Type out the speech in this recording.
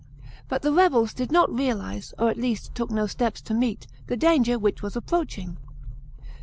But the rebels did net realize, < r at least took no steps to meet, the danger which was approaching.